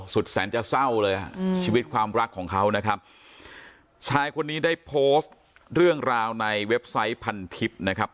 สุดแสนจะเศร้าเลยฮะชีวิตความรักของเขานะครับชายคนนี้ได้โพสต์เรื่องราวในเว็บไซต์พันทิพย์นะครับ